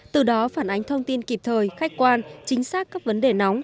từ đó phản ánh thông tin kịp thời khách quan chính xác các vấn đề nóng